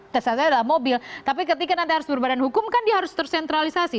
dasarnya adalah mobil tapi ketika nanti harus berbadan hukum kan dia harus tersentralisasi